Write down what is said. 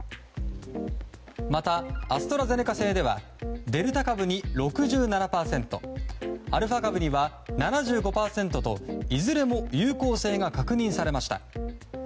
またアストラゼネカ製ではデルタ株に６７％アルファ株には７５％といずれも有効性が確認されました。